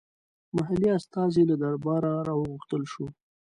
محلي استازی له درباره راوغوښتل شو.